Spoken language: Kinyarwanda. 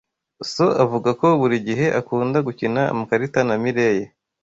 Sanoavuga ko buri gihe akunda gukina amakarita na Mirelle.